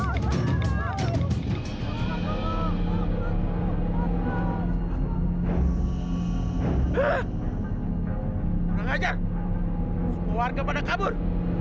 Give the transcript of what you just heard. kurang ajar semua warga sudah kabur